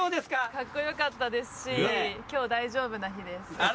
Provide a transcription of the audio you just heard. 格好良かったですし今日大丈夫な日です。